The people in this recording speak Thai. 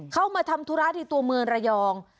เข้ามาทำธุระที่ตัวเมืองระยอง